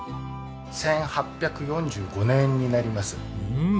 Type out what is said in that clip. １８４５年になります。